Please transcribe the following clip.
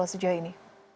setia novanto sejauh ini